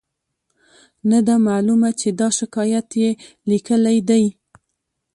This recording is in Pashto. نه ده معلومه چې دا شکایت یې لیکلی دی.